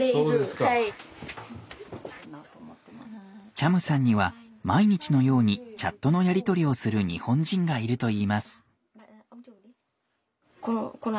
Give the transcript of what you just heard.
チャムさんには毎日のようにチャットのやり取りをする日本人がいるといいます。